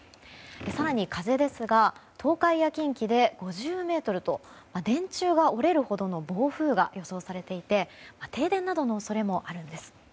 更に風ですが東海や近畿で５０メートルと電柱が折れるほどの暴風が予想されていて停電などの恐れもあるんです。